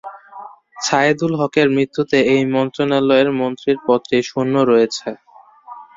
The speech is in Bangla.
ছায়েদুল হকের মৃত্যুতে এই মন্ত্রণালয়ের মন্ত্রীর পদটি শূন্য রয়েছে।